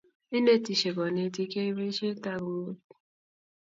Inetisie konetik, yoei boisiet takungut